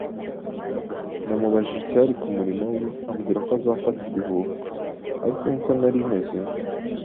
Namubajije icyari kumurimo we, ambwira ko azafata ibihuha; ariko nk'uko nari meze